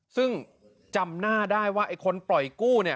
ซึ่งจำหน้าได้ว่าไอ้คนปล่อยกู้เนี่ย